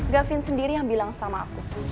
gavin sendiri yang bilang sama aku